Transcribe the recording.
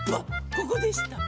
ここでした。